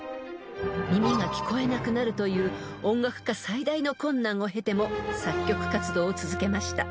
［耳が聞こえなくなるという音楽家最大の困難を経ても作曲活動を続けました］